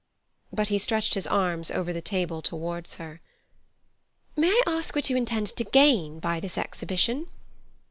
But he stretched his arms over the table towards her. "May I ask what you intend to gain by this exhibition?"